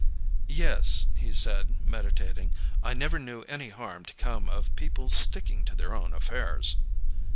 "Yes," he said, meditating. "I never knew any harm to come of people's sticking to their own affairs."